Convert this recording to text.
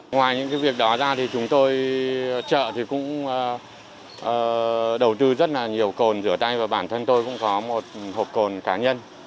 ngoài những việc đó ra thì chúng tôi chợ thì cũng đầu tư rất là nhiều cồn rửa tay và bản thân tôi cũng có một hộp cồn cá nhân